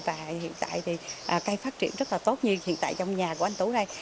và hiện tại thì cây phát triển rất là tốt như hiện tại trong nhà của anh tú đây